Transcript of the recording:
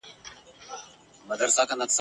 لا په لاس یې جوړوله اسبابونه ..